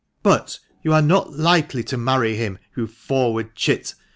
"But you are not likely to marry him, you forward chit.